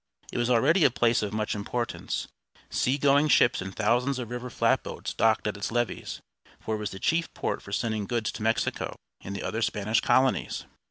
It was already a place of much importance; seagoing ships and thousands of river flatboats docked at its levees, for it was the chief port for sending goods to Mexico and the other Spanish colonies.